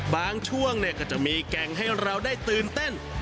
ช่วงก็จะมีแก่งให้เราได้ตื่นเต้น